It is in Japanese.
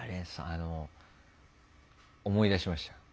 あの思い出しましたよ。